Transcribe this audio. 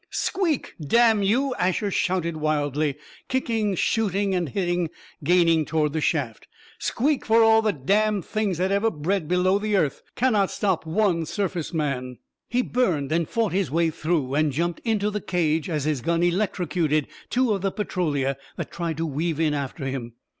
"Squeak, damn you!" Asher shouted wildly, kicking, shooting and hitting, gaining toward the shaft. "Squeak for all the damned Things that ever bred below the earth cannot stop one surface man!" He burned and fought his way through and jumped into the cage as his gun electrocuted two of the Petrolia that tried to weave in after him.